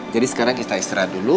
jadi sekarang kita istirahat dulu